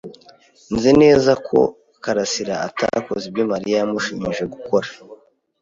Nzi neza ko karasira atakoze ibyo Mariya yamushinje gukora.